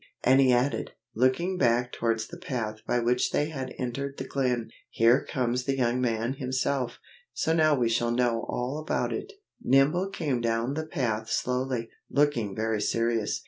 he added, looking back towards the path by which they had entered the glen, "here comes the young man himself, so now we shall know all about it." Nibble came down the path slowly, looking very serious.